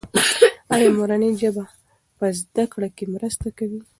ایا مورنۍ ژبه په زده کړه کې مرسته کوي؟